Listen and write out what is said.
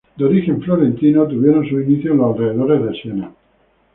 De origen florentino, tuvieron sus inicios en los alrededores de Siena.